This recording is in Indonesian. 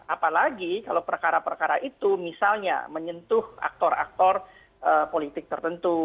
apalagi kalau perkara perkara itu misalnya menyentuh aktor aktor politik tertentu